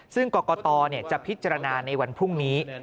ซึ่งกรกตจะพิจารณาในวันพรุ่งนี้